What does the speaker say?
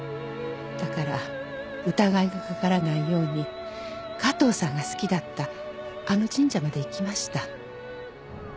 だから疑いがかからないように加藤さんが好きだったあの神社まで行きました。